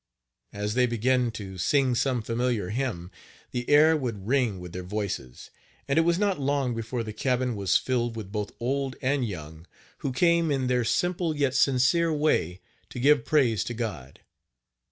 As they began to sing some familiar hymn, the air would ring with their voices, and it was not long before the cabin was filled with both old and young, who came in their simple yet sincere way to give praise to God.